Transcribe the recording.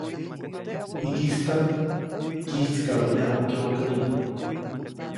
Jikistaʼm kyijtskabäʼyaju kyokäyi.